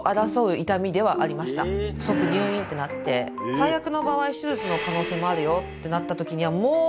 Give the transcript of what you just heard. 最悪の場合手術の可能性もあるよってなった時にはもう！